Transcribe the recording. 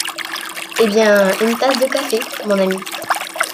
Eh bien, une tasse de café, mon ami